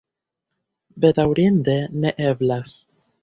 Bedaŭrinde, ne eblas.